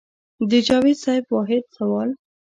د جاوېد صېب واحد سوال